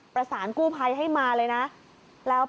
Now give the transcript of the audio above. ป้าของน้องธันวาผู้ชมข่าวอ่อน